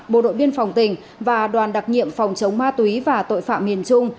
bộ đội biên phòng tỉnh và đoàn đặc nhiệm phòng chống ma túy và tội phạm miền trung